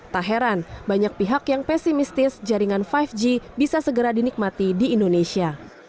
tak heran banyak pihak yang pesimistis jaringan lima g bisa segera dinikmati di indonesia